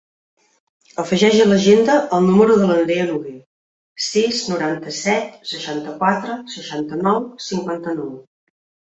Afegeix a l'agenda el número de la Nerea Noguer: sis, noranta-set, seixanta-quatre, seixanta-nou, cinquanta-nou.